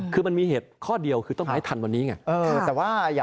คือมันมีเหตุข้อเดียวคือต้องให้ทันวันนี้ไง